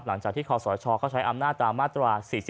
หลังจากที่คศเขาใช้อำนาจตามมาตรา๔๔